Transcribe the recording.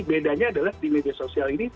bedanya adalah di media sosial ini